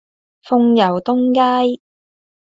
鳳攸東街